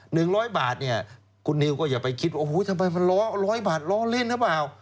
หนึ่งร้อยบาทเนี่ยคุณนิวก็อย่าไปคิดว่าโอ้โหทำไมมันล้อร้อยบาทล้อเล่นหรือเปล่า